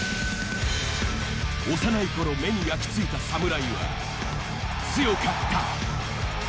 幼いころ目に焼きついた侍は強かった。